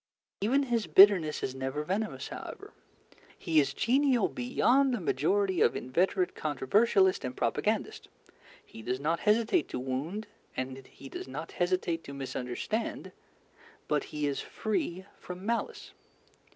Even his bitterness is never venomous, however. He is genial beyond the majority of inveterate controversialists and propagandists. He does not hesitate to wound and he does not hesitate to misunderstand, but he is free from malice.